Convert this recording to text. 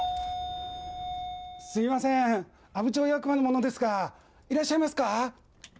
すみません、阿武町役場の者ですが、いらっしゃいますか？